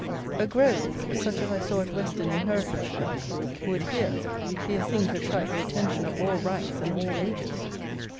A grove, such as I saw at Weston in Herefordshire, would, here, be a thing to attract the attention of all ranks and all ages.